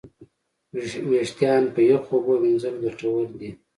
وېښتيان په یخو اوبو وینځل ګټور دي.